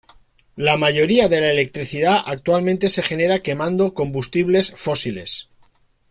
La mayoría de la electricidad actualmente se genera quemando combustibles fósiles.